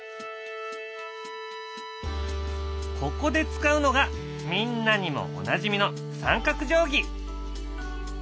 ここで使うのがみんなにもおなじみの三角定規！